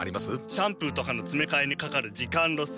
シャンプーとかのつめかえにかかる時間ロス。